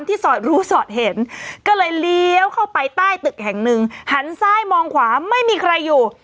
สอดรู้สอดเห็นก็เลยเลี้ยวเข้าไปใต้ตึกแห่งหนึ่งหันซ้ายมองขวาไม่มีใครอยู่